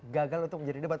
gagal untuk menjadi debat